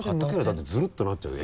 だってズルッとなっちゃうよ